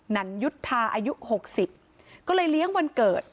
ันยุทธาอายุ๖๐ก็เลยเลี้ยงวันเกิด